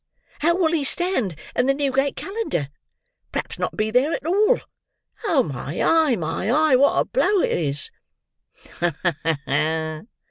How will he stand in the Newgate Calendar? P'raps not be there at all. Oh, my eye, my eye, wot a blow it is!" "Ha! ha!"